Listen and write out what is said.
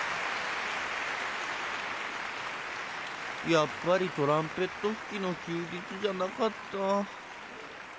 やっぱり「トランペット吹きの休日」じゃなかった。